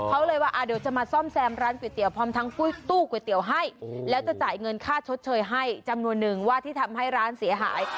เขาเลยว่าเดี๋ยวจะมาซ่อมแซมร้านก๋วยเตี๋ยวพร้อมทั้งตู้ก๋วยเตี๋ยวให้แล้วจะจ่ายเงินค่าชดเชยให้จำนวนนึงว่าที่ทำให้ร้านเสียหาย